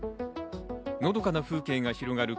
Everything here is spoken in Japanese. のどかな風景が広がる